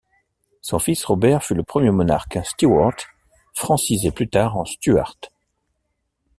Son fils Robert fut le premier monarque Stewart, francisé plus tard en Stuart.